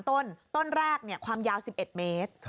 ต้นต้นแรกความยาว๑๑เมตร